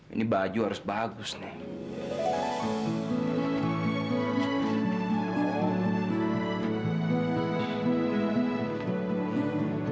ini baju harus bagus nih